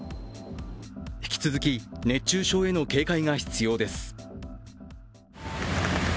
引き続き熱中症への警戒が必要です。